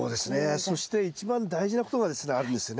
そして一番大事なことがですねあるんですよね。